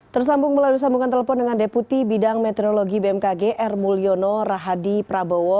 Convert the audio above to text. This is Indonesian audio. tersambung melalui sambungan telepon dengan deputi bidang meteorologi bmkg r mulyono rahadi prabowo